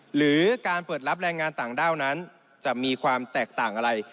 หรือการเปิดรับแรงงานต่างด้าวนั้นจะมีความแตกต่างอะไร